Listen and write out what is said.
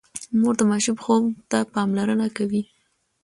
مور د ماشوم خوب ته پاملرنه کوي۔